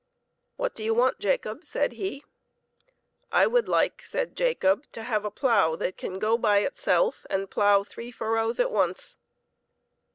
" What do you want, Jacob ?" said he. " I would like," said Jacob, " to have a plough that ' can go by itself and plough three furrows at once."